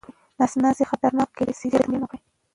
نس ناسته خطرناکه کيداې شي، ژر درملنه وکړئ.